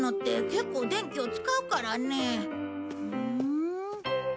ふん。